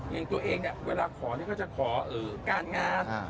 อย่างตัวเองเนี่ยเวลาขอก็จะขอการงาน